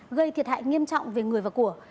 gây thiệt hại nghiêm trọng về người và của